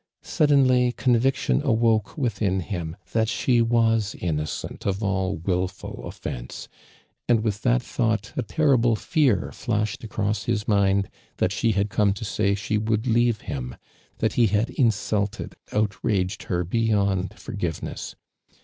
Suddenly conviction awoke within him that she was iimocent of all wilful offence, and with that thought a terrible fear Hashed across his mind that she had come to say she would leave him — that ho had insulted, outraged her beyond forgiveness.